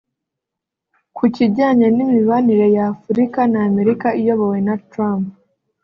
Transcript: Ku kijyanye n’imibanire ya Afurika na Amerika iyobowe na Trump